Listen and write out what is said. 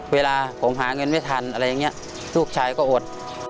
เวลาผมหาเงินไม่ทันอะไรอย่างนี้ลูกชายก็อด